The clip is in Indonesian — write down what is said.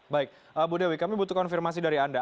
baik bu dewi kami butuh konfirmasi dari anda